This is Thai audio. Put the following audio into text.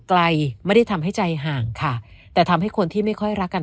ไกลไม่ได้ทำให้ใจห่างค่ะแต่ทำให้คนที่ไม่ค่อยรักกัน